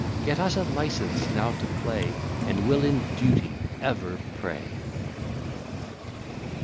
Get us a license now to play, And we'll in duty ever pray.